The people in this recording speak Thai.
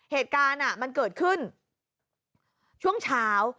เหตุการณ์มันเกิดขึ้นช่วงเช้า